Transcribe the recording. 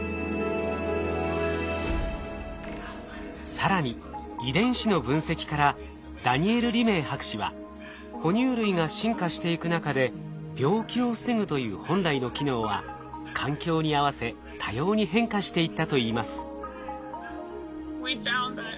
更に遺伝子の分析からダニエル・リメイ博士は哺乳類が進化していく中で病気を防ぐという本来の機能は環境に合わせ多様に変化していったといいます。